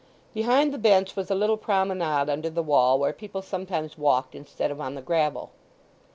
Behind the bench was a little promenade under the wall where people sometimes walked instead of on the gravel.